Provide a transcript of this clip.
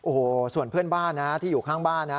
โอ้โหส่วนเพื่อนบ้านนะที่อยู่ข้างบ้านนะ